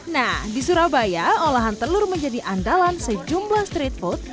nah di surabaya olahan telur menjadi andalan sejumlah street food